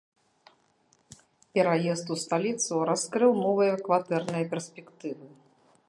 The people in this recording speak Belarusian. Пераезд у сталіцу раскрыў новыя кватэрныя перспектывы.